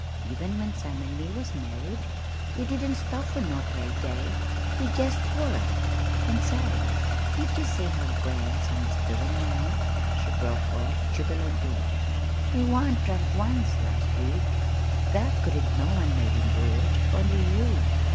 "Even when Sam an' me was married we didn't stop fur no play day. We jest worked. An' say, did ye see how grand Sam was doin' now?" she broke off jubilantly. "He wa'n't drunk once last week! Thar couldn't no one made him do it only you.